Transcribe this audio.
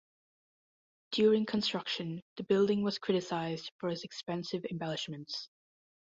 During construction, the building was criticised for its expensive embellishments.